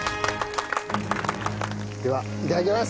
ではいただきます。